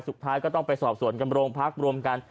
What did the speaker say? สุดท้ายก็ต้องไปสอบส่วนกับโรงพักรวมกัน